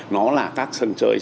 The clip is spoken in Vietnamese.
nó là các sân chơi